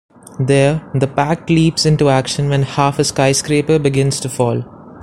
There, the Pact leaps into action when half a skyscraper begins to fall.